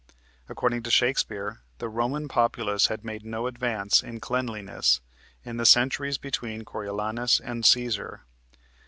According to Shakespeare, the Roman populace had made no advance in cleanliness in the centuries between Coriolanus and Cæsar.